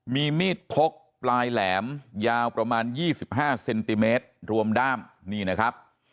มีมีดพกปลายแหลมยาวประมาณ๒๕เซนติเมตรรวมด้ามนี่นะครับ